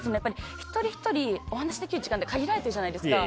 一人ひとりお話しできる時間って限られてるじゃないですか。